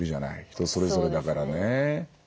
人それぞれだからね。